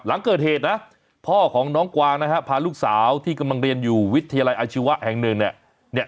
หลังเกิดเหตุนะพ่อของน้องกวางนะฮะพาลูกสาวที่กำลังเรียนอยู่วิทยาลัยอาชีวะแห่งหนึ่งเนี่ย